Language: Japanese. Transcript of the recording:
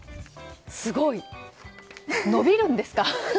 すごい！伸びるんですか？